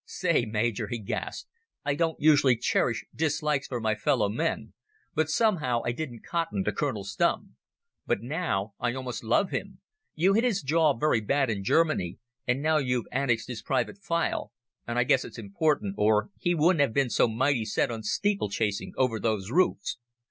"Say, Major," he gasped, "I don't usually cherish dislikes for my fellow men, but somehow I didn't cotton to Colonel Stumm. But now I almost love him. You hit his jaw very bad in Germany, and now you've annexed his private file, and I guess it's important or he wouldn't have been so mighty set on steeple chasing over those roofs.